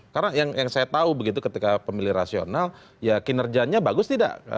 karena yang saya tahu begitu ketika pemilih rasional ya kinerjanya bagus tidak